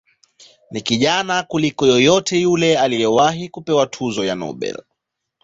Ni kijana kuliko yeyote yule aliyewahi kupewa tuzo ya Nobel.